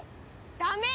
ダメ！